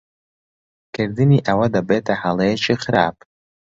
کردنی ئەوە دەبێتە ھەڵەیەکی خراپ.